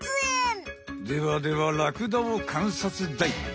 ではではラクダをかんさつだい。